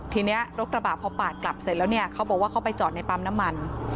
ทีนี้รถกระบะพอปาดกลับเสร็จแล้วเนี่ยเขาบอกว่าเขาไปจอดในปั๊มน้ำมัน